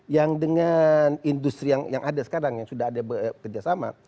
yang dengan industri yang ada sekarang yang sudah ada kerjasama